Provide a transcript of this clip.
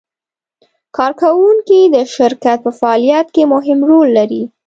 کارکوونکي د شرکت په فعالیت کې مهم رول لري.